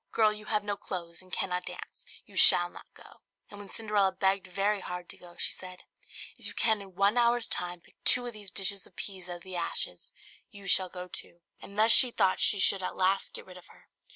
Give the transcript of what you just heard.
Girl, you have no clothes and cannot dance, you shall not go." And when Cinderella begged very hard to go, she said, "If you can in one hour's time pick two of these dishes of peas out of the ashes, you shall go too." And thus she thought she should at last get rid of her.